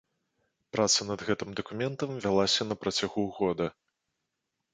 Праца над гэтым дакументам вялася на працягу года.